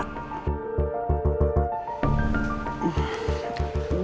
dan alex pasti akan neken aku juga